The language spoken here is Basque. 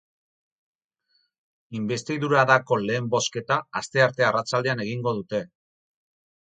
Inbestidurarako lehen bozketa astearte arratsaldean egingo dute.